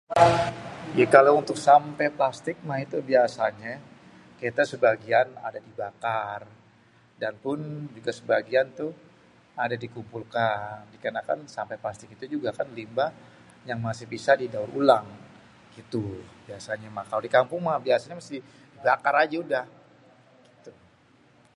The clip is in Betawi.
Jikalau untuk sampéh plastik mah itu biasanyé kita sebagian ada dibakar. Adapun juga sebagian tuh ada dikumpulkan. Dikarnakan sampeh plastik itu juga kan limbah yang masih bisa didaur ulang, gitu biasanya mah. Kalo di kampung mah biasanya masih dibakar aja udah.